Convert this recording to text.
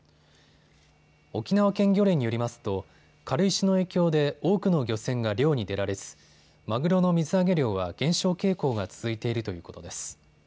沖縄県漁連によりますと軽石の影響で多くの漁船が漁に出られずマグロの水揚げ量は減少傾向が続いているということです。